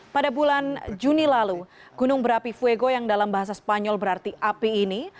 pada bulan juni lalu gunung berapi fuego yang dalam bahasa spanyol berarti api ini